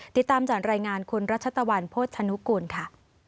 ติดตามจากรายงานคุณรัชตะวันโภชนุกูลค่ะ